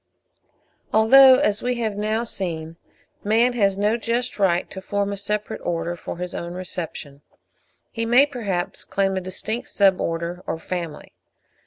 Although, as we have now seen, man has no just right to form a separate Order for his own reception, he may perhaps claim a distinct Sub order or Family.